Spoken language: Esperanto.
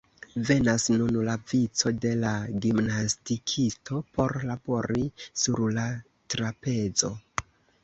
Venas nun la vico de la gimnastikisto por "labori" sur la trapezo.